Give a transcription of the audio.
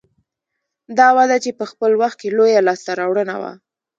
دا وده چې په خپل وخت کې لویه لاسته راوړنه وه